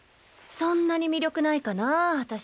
そんなに魅力ないかなぁ私。